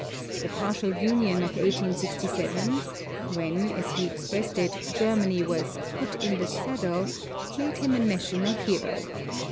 The partial union of 1867 when, as he expressed it, Germany was "put in the saddle" made him a national hero.